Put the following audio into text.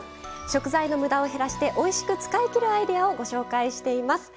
食材のむだを減らしておいしく使いきるアイデアをご紹介しています。